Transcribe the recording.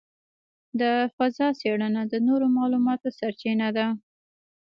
د فضاء څېړنه د نوو معلوماتو سرچینه ده.